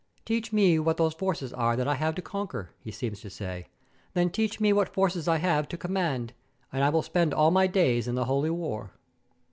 'Teach me what those forces are that I have to conquer,' he seems to say, 'then teach me what forces I have to command, and I will spend all my days in the Holy War.'